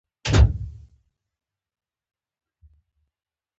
نجلۍ د وفا سیوری ده.